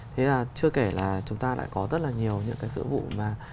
thế là chưa kể là chúng ta lại có rất là nhiều những cái dữ vụ mà